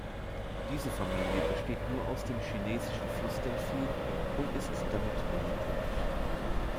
Diese Familie besteht nur aus dem Chinesischen Flussdelfin und ist damit monotypisch.